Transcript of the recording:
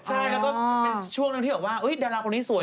ใช่แล้วก็เป็นช่วงที่จะบอกว่าอุ๊ยดาราคนนี้สวย